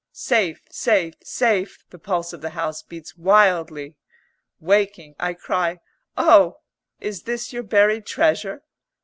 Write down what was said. "Safe! safe! safe!" the pulse of the house beats wildly. Waking, I cry "Oh, is this your buried treasure?